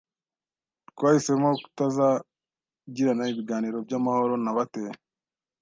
Twahisemo kutazagirana ibiganiro byamahoro nabateye.